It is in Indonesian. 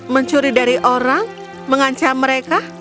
mencuri dari orang mengancam mereka